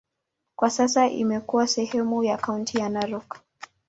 Kwa sasa imekuwa sehemu ya kaunti ya Narok.